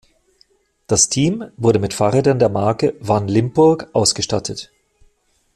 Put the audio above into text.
Das Team wurde mit Fahrrädern der Marke Van Limpurg ausgestattet.